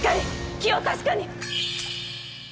気を確かに！